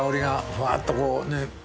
フワっとこうね。